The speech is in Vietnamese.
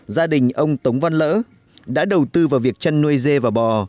gia đình ông tống văn lỡ đã đầu tư vào việc chăn nuôi dê và bò